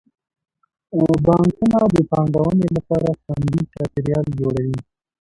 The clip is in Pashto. بانکونه د پانګونې لپاره خوندي چاپیریال جوړوي.